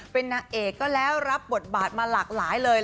เป็นนางเอกก็แล้วรับบทบาทมาหลากหลายเลย